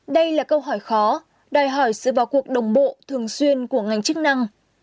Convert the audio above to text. đây là câu hỏi khó đòi hỏi sự vào cuộc đồng bộ thường xuyên của ngành chức năng